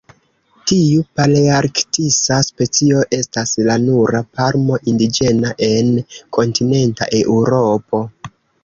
Tiu palearktisa specio estas la nura palmo indiĝena en kontinenta Eŭropo.